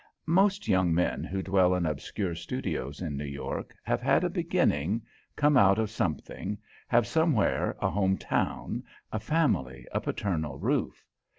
Most young men who dwell in obscure studios in New York have had a beginning, come out of something, have somewhere a home town, a family, a paternal roof.